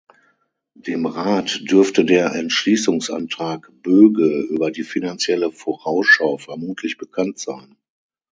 Dem Rat dürfte der Entschließungsantrag Böge über die Finanzielle Vorausschau vermutlich bekannt sein.